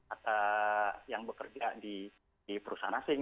atau yang bekerja di perusahaan asing